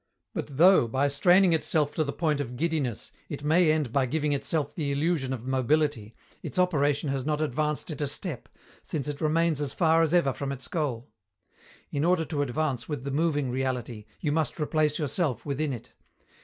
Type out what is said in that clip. But though, by straining itself to the point of giddiness, it may end by giving itself the illusion of mobility, its operation has not advanced it a step, since it remains as far as ever from its goal. In order to advance with the moving reality, you must replace yourself within it.